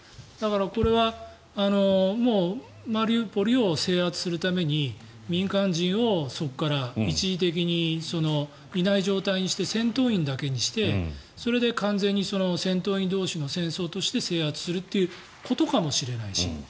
だから、これはマリウポリを制圧するために民間人をそこから一時的にいない状態にして戦闘員だけにして戦闘員同士の戦争にして制圧するということかもしれないし。